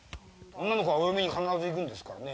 女の子はお嫁に必ず行くんですからね。